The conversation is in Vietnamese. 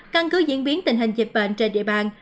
căn cứ diễn biến tình hình dịch bệnh trên địa bàn